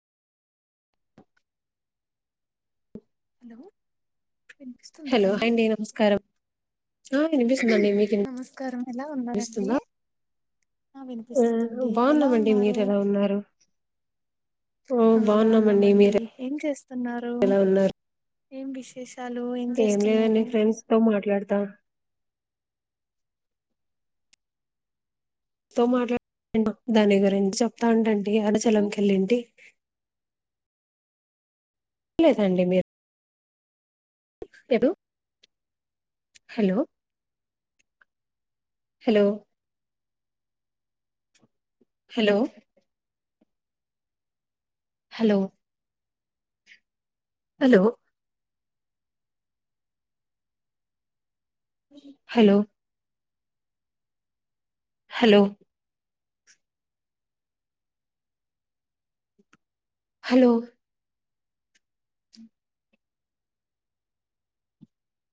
Hello hello అండి నమస్కారం ఆ వినిపిస్తుందండి మీకు నమస్కారం ఎలా ఉన్నారండీ. వినిపిస్తుందా ఆ వినిపిస్తుందండీ, ఎలా బాగున్నామండి మీరు ఉన్నారూ. ఎలా ఉన్నారు ఓ ఆ బాగున్నామండి. మీరు ఏం చేస్తున్నారు. ఎలా ఉన్నారు ఏం విశేష్ ఏం లేదండీ ఫ్రెండ్స్ తో మాట్లాడతా తో మాట్లా [inaudible] దాని గురించి చెప్తా ఉంటుంటి. ఆ అరుణాచెలంకెళ్ళుంటి. లేదండి మీర్ కెదు hello hello hello hello hello hello hello hello